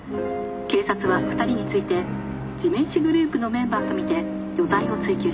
警察は二人について地面師グループのメンバーと見て余罪を追及しています。